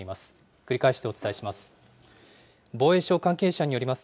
繰り返してお伝えします。